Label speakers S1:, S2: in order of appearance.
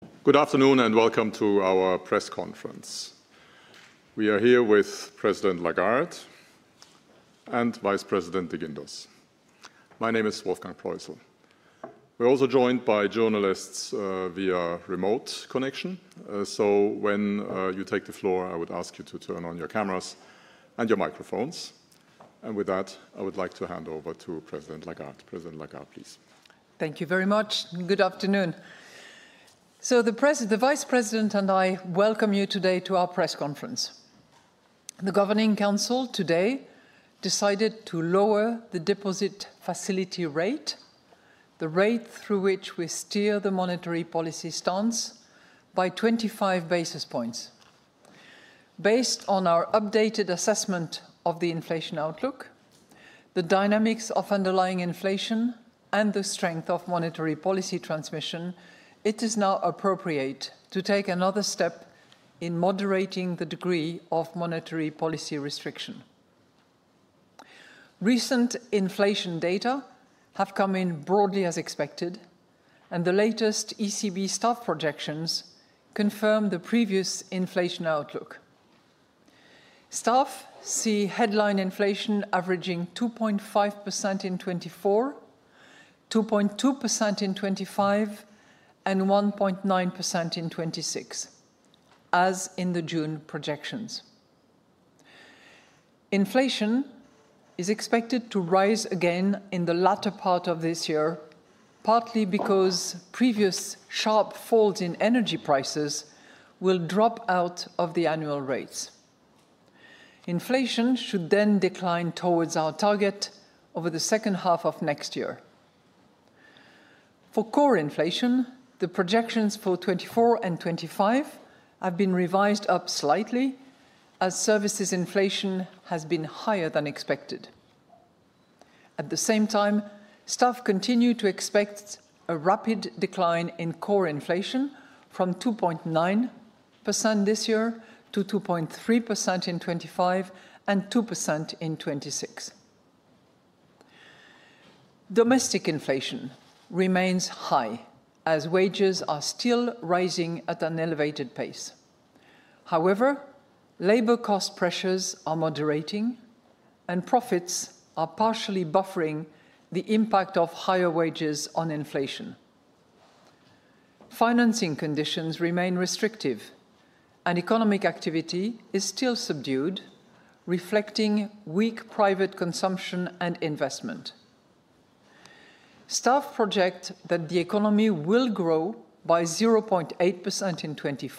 S1: Good afternoon, and welcome to our press conference. We are here with President Lagarde and Vice President de Guindos. My name is Wolfgang Proissl. We're also joined by journalists via remote connection, so when you take the floor, I would ask you to turn on your cameras and your microphones. And with that, I would like to hand over to President Lagarde. President Lagarde, please.
S2: Thank you very much. Good afternoon. The Vice President and I welcome you today to our press conference. The Governing Council today decided to lower the deposit facility rate, the rate through which we steer the monetary policy stance, by twenty-five basis points. Based on our updated assessment of the inflation outlook, the dynamics of underlying inflation, and the strength of monetary policy transmission, it is now appropriate to take another step in moderating the degree of monetary policy restriction. Recent inflation data have come in broadly as expected, and the latest ECB staff projections confirm the previous inflation outlook. Staff see headline inflation averaging 2.5% in 2024, 2.2% in 2025, and 1.9% in 2026, as in the June projections. Inflation is expected to rise again in the latter part of this year, partly because previous sharp falls in energy prices will drop out of the annual rates. Inflation should then decline towards our target over the second half of next year. For core inflation, the projections for 2024 and 2025 have been revised up slightly, as services inflation has been higher than expected. At the same time, staff continue to expect a rapid decline in core inflation from 2.9% this year to 2.3% in 2025 and 2% in 2026. Domestic inflation remains high, as wages are still rising at an elevated pace. However, labor cost pressures are moderating, and profits are partially buffering the impact of higher wages on inflation. Financing conditions remain restrictive, and economic activity is still subdued, reflecting weak private consumption and investment. Staff projections that the economy will grow by 0.8% in 2024.